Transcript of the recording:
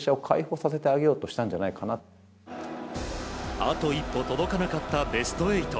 あと一歩届かなかったベスト８。